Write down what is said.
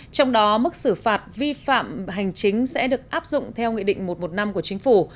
trong đó mức xử phạt vi phạm hành chính sẽ được áp dụng theo nghị định một trăm một mươi năm của chính phủ